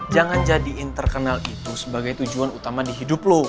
jangan jadiin terkenal itu sebagai tujuan utama di hidup lo